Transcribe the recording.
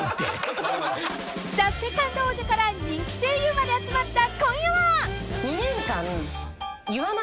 ［ＴＨＥＳＥＣＯＮＤ王者から人気声優まで集まった今夜は］